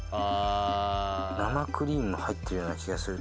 生クリーム入ってるような気がする。